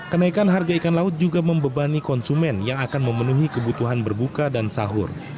kenaikan harga ikan laut juga membebani konsumen yang akan memenuhi kebutuhan berbuka dan sahur